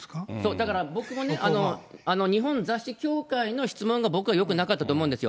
だから、僕もね、日本雑誌協会の質問が、僕はよくなかったと思うんですよ。